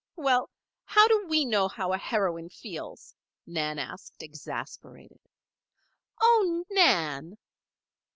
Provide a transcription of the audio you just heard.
"Well! how do we know how a heroine feels?" Nan asked, exasperated. "Oh, Nan!"